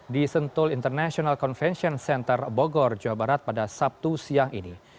di sentul international convention center bogor jawa barat pada sabtu siang ini